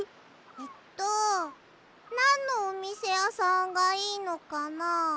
えっとなんのおみせやさんがいいのかな？